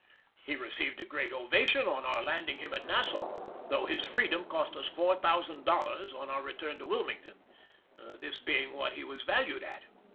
He received a great ovation on our landing him at Nassau, though his freedom cost us $4000 on our return to Wilmington, this being what he was valued at.